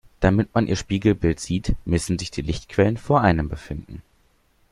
Damit man ihr Spiegelbild sieht, müssen sich die Lichtquellen vor einem befinden.